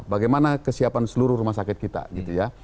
bagaimana kesiapan seluruh rumah sakit kita gitu ya